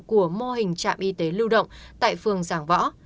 của mô hình trạm y tế lưu động tại phường giảng võ